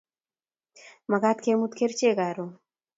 Mekat kemut kerchek karon